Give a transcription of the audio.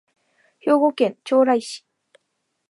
兵庫県朝来市